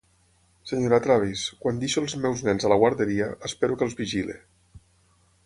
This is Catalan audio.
Senyora Travis, quan deixo els meus nens a la guarderia, espero que els vigili.